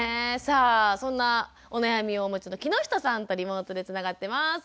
さあそんなお悩みをお持ちの木下さんとリモートでつながってます。